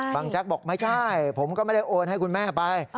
แจ๊กบอกไม่ใช่ผมก็ไม่ได้โอนให้คุณแม่ไป